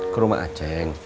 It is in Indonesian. ke rumah acing